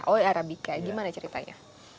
oh arabica bagaimana ceritanya